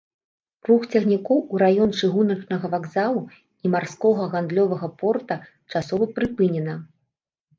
Рух цягнікоў у раён чыгуначнага вакзалу і марскога гандлёвага порта часова прыпынена.